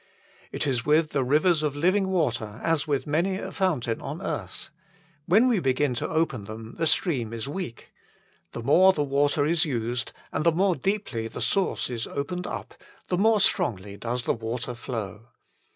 It is with the rivers of living water as with many a fountain on earth. When we begin to open them, the stream is weak. The more the water is used, and the more deeply the source is opened up, the more strongly does the water flow.